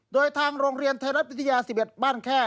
โดยทางโรงเรียนไทยรัฐวิทยา๑๑บ้านแค่